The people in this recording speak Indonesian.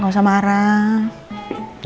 gak usah marah